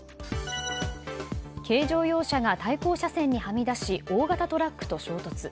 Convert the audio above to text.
軽乗用車が対向車線にはみ出し大型トラックと衝突。